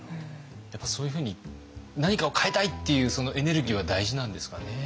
そういうふうに何かを変えたいっていうエネルギーは大事なんですかね。